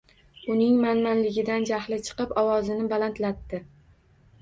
Uning manmanligidan jahli chiqib, ovozini balandlatdi